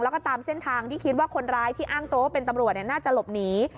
แล้วก็ตามเส้นทางที่คิดว่าคนร้ายที่อ้างตัวว่าเป็นตำรวจน่าจะหลบหนี